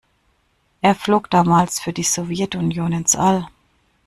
Er flog damals für die Sowjetunion ins All.